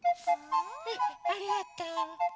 ありがとう。